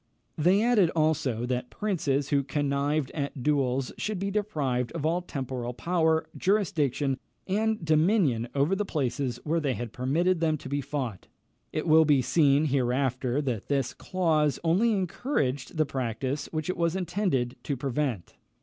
They added also, that princes who connived at duels should be deprived of all temporal power, jurisdiction, and dominion over the places where they had permitted them to be fought. It will be seen hereafter that this clause only encouraged the practice which it was intended to prevent.